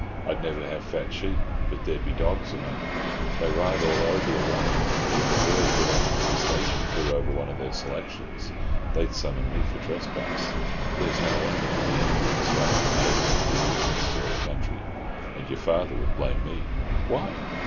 I'd never have fat sheep but there'd be dogs among 'em. They ride all over the run; but if a bird belonging to the station flew over one of their selections they'd summon me for trespass. There's no end to the injury a spiteful neighbour can do you in this sort of country. And your father would blame me." "Why?"